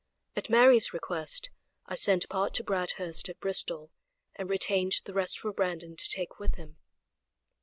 At Mary's request I sent part to Bradhurst at Bristol, and retained the rest for Brandon to take with him.